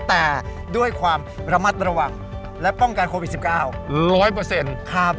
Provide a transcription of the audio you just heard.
แต่ด้วยความระมัดระวังและป้องกันโควิด๑๙๑๐๐